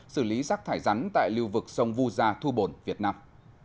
xử lý rác thải rắn tại lưu vực sông vu gia thu bồn việt nam